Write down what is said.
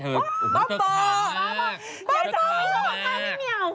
ปล่อยให้เบลล่าว่าง